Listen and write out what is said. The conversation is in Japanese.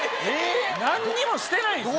何にもしてないんですよ。